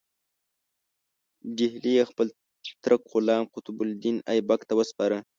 ډهلی یې خپل ترک غلام قطب الدین ایبک ته وسپاره.